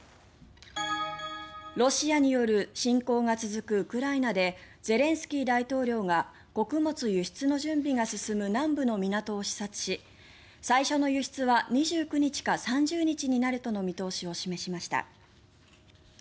ロシアによる侵攻が続くウクライナでゼレンスキー大統領が穀物輸出の準備が進む南部の港を視察し最初の輸出は２９日か３０日になるとの見通しを示しました。